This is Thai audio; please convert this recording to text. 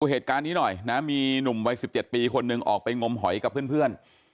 เหตุการณ์นี้หน่อยนะมีหนุ่มวัย๑๗ปีคนหนึ่งออกไปงมหอยกับเพื่อน